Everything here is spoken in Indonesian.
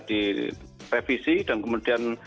direvisi dan kemudian